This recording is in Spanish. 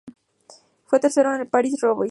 Fue tercero en la París-Roubaix.